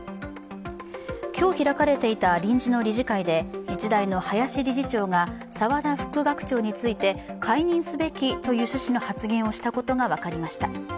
今日開かれていた臨時の理事会で、日大の林理事長が沢田副学長について解任すべきという趣旨の発言をしたことが分かりました。